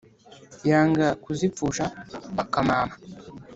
Yanga kuzipfusha akamama;